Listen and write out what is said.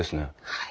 はい。